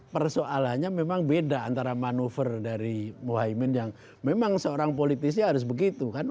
persoalannya memang beda antara manuver dari mohaimin yang memang seorang politisi harus begitu kan